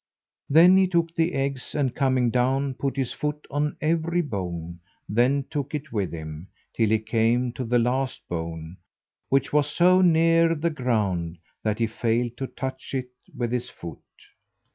Then he took the eggs, and coming down, put his foot on every bone, then took it with him, till he came to the last bone, which was so near the ground that he failed to touch it with his foot.